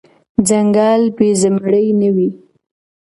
ځنګل بی زمري نه وي .